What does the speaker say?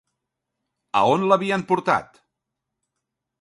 A on l'havien portat?